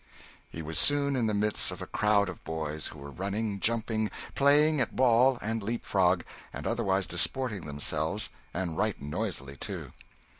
He was soon in the midst of a crowd of boys who were running, jumping, playing at ball and leap frog, and otherwise disporting themselves, and right noisily, too.